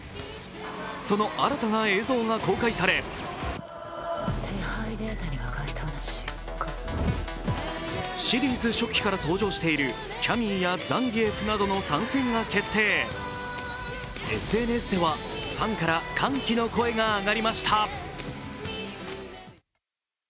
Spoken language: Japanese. その新たな映像が公開されシリーズ初期から登場しているキャミィやザンギエフなどの参戦が決定、ＳＮＳではファンから歓喜の声が上がりました。